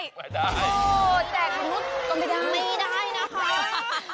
โอ้ยแจกเราคงไม่ได้นะคะ